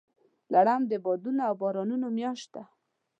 لړم د بادونو او بارانونو میاشت ده.